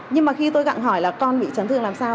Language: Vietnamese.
nhưng mà khi tôi gặng hỏi là con bị chấn thương làm sao